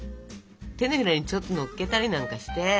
手のひらにちょっとのっけたりなんかして。